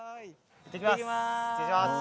いってきます